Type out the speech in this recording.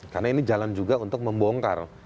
karena ini jalan juga untuk membongkar